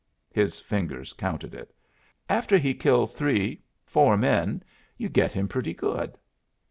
(his fingers counted it). "After he kill three four men, you get him pretty good."